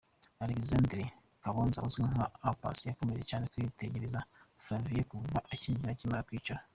Alexander Bagonza uzwi nka A Pass yakomeje cyane kwitegereza Flavia kuva akinjira, akimara kwicara.